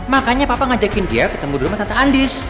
makanya papa ngajakin dia ketemu dulu sama tante andis